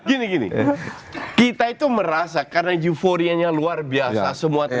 gini gini kita itu merasa karena euforianya luar biasa semua terjadi